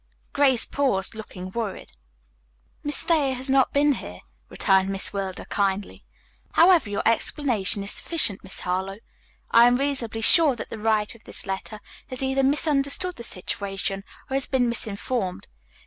Grace paused, looking worried. "Miss Thayer has not been here," returned Miss Wilder kindly. "However, your explanation is sufficient, Miss Harlowe. I am reasonably sure that the writer of this letter has either misunderstood the situation, or has been misinformed.